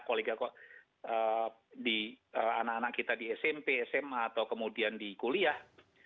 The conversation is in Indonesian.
kolega di anak anak kita di smp sma atau kemudian di kuliah